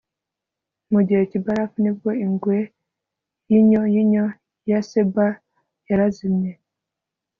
mu gihe cyibarafu ni bwo ingwe yinyo yinyo ya saber yarazimye